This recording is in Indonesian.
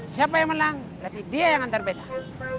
siapa yang menang nanti dia yang antar betah